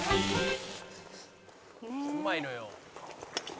「うまいのよ」